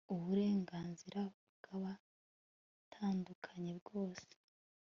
uburenganzira bwa batandukanye bwose